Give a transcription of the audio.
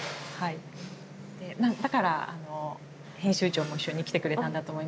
だから編集長も一緒に来てくれたんだと思いますけど。